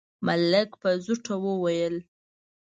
ملک په زوټه وويل: